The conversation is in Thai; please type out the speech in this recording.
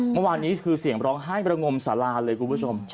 เมื่อวานนี้คือเสียงร้องไห้ประงมสาราเลยคุณผู้ชม